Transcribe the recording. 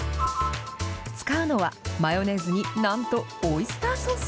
使うのは、マヨネーズになんとオイスターソース。